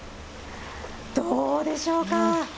どうでしょうか。